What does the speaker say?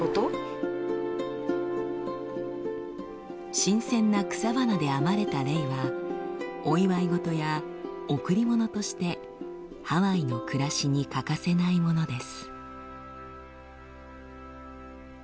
新鮮な草花で編まれたレイはお祝い事や贈り物としてハワイの暮らしに欠かせないものです。